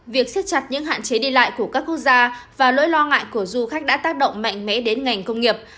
việc xếp chặt những hạn chế đi lại của các quốc gia và nỗi lo ngại của du khách đã tác động mạnh mẽ đến ngành công nghiệp